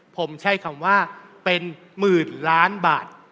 ผมใช้คำว่าเป็นหมื่นล้านบาท